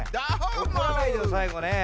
おこらないでよさいごね。